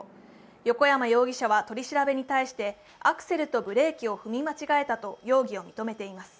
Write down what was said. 横山容疑者は取り調べに対してアクセルとブレーキを踏み間違えたと容疑を認めています。